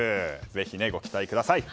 ぜひご期待ください。